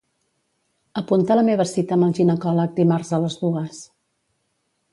Apunta la meva cita amb el ginecòleg dimarts a les dues.